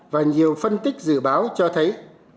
và nhiều phân tích dự báo cho thấy